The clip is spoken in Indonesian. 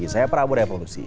saya prabu revolusi